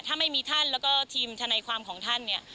ถ้าไม่มีท่านแล้วก็ทีมทนายความของท่านเนี่ย